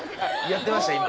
やってました今。